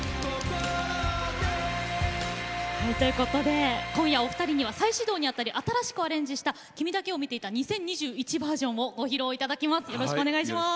ということで、今夜、お二人には再始動にあたり新しくアレンジし直した「君だけを見ていた２０２１ｖｅｒｓｉｏｎ．」を歌っていただきます。